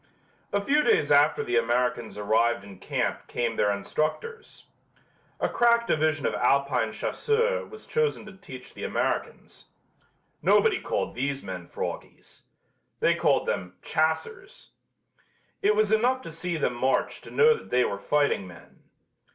A few days after the Americans arrived in camp came their instructors. A crack division of Alpine Chasseurs was chosen to teach the Americans. Nobody called these men froggies. They called them "chassers." It was enough to see them march to know that they were fighting men.